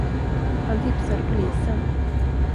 Han tipsade polisen.